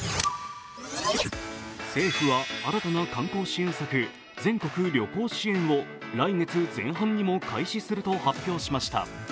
政府は新たな観光支援策、全国旅行支援を来月前半にも開始すると発表しました。